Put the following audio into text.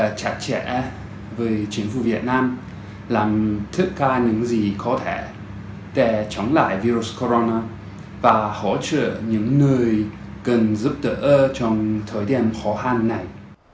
chúng tôi sẽ tiếp xúc hợp tác chặt chẽ với chính phủ việt nam làm tất cả những gì có thể để chống lại virus corona và hỗ trợ những người cần giúp đỡ trong thời gian khó khăn này